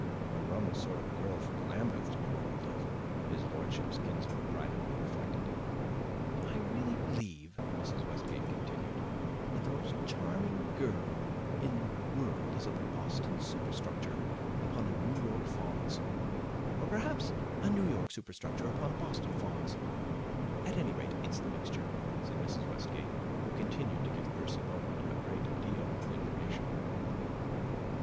'" "A rum sort of girl for Lambeth to get hold of!" his lordship's kinsman privately reflected. "I really believe," Mrs. Westgate continued, "that the most charming girl in the world is a Boston superstructure upon a New York fonds; or perhaps a New York superstructure upon a Boston fonds. At any rate, it's the mixture," said Mrs. Westgate, who continued to give Percy Beaumont a great deal of information.